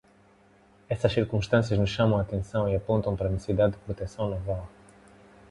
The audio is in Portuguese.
Essas circunstâncias nos chamam a atenção e apontam para a necessidade de proteção naval.